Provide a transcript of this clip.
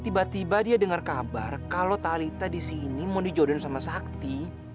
tiba tiba dia dengar kabar kalau talitha di sini mau dijodohin sama sakti